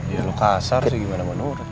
ya lu kasar sih gimana menurut